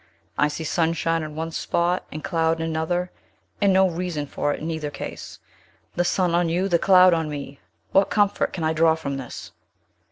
"I see sunshine on one spot, and cloud in another, and no reason for it in either ease. The sun on you; the cloud on me! What comfort can I draw from this?"